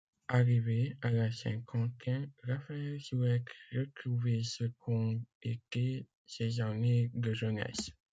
Arrivé à la cinquantaine, Raphaël souhaite retrouver ce qu’ont été ses années de jeunesse.